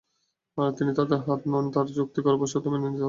আর তিনি তাদের মত নন, যারা চুক্তি করে বশ্যতা মেনে নিতে বাধ্য করেন।